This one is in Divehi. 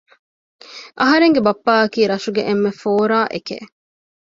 އަހަރެންގެ ބައްޕައަކީ ރަށުގެ އެންމެ ފޯރާއެކެއް